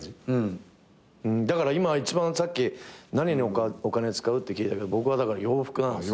だから今一番何にお金使うって聞いたけど僕はだから洋服なんですよ。